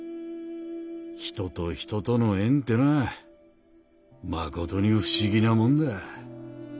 人と人との縁ってのはまことに不思議なもんだ。